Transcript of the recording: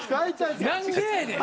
何でやねん！